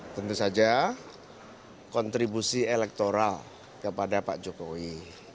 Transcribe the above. tentu saja kontribusi elektoral kepada pak jokowi